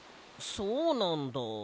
そうなんだ。